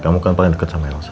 kamu kan paling dekat sama elsa